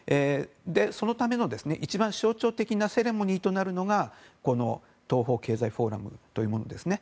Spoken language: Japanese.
そのための一番象徴的なセレモニーとなるのがこの東方経済フォーラムというものですね。